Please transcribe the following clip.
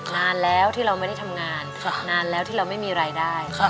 นานแล้วที่เราไม่ได้ทำงานนานแล้วที่เราไม่มีรายได้